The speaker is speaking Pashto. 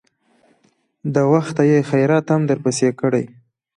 د وخته يې خيراتم درپسې کړى.